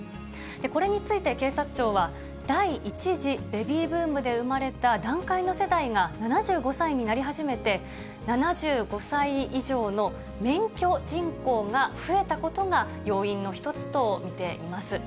これについて警察庁は、第１次ベビーブームで生まれた団塊の世代が７５歳になり始めて、７５歳以上の免許人口が増えたことが要因の一つと見ています。